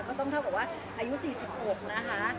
ก็ต้องเท่ากับว่าอายุ๔๖นะคะ